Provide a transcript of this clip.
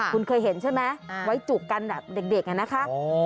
คุณเคยเห็นใช่ไหมไว้จุกกันเด็กอย่างนี้นะคะ